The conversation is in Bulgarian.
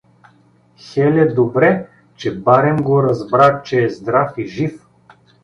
Хеле добре, че барем го разбра, че е здрав и жив.